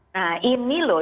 nah ini loh